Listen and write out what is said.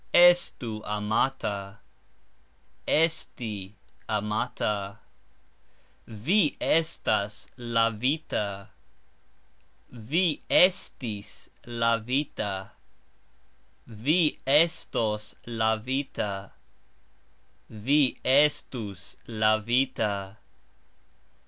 Estu amata. Esti amata. Vi estas lavita. Vi estis lavita. Vi estos lavita. Vi estus lavita.